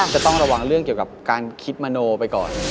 จะต้องระวังเรื่องเกี่ยวกับการคิดมโนไปก่อน